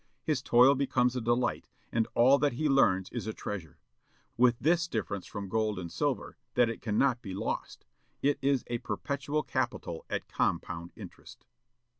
His toil becomes a delight, and all that he learns is a treasure, with this difference from gold and silver, that it cannot be lost. It is a perpetual capital at compound interest."